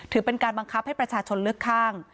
ถือเป็นการบังคับให้ประชาชนเลือกข้าง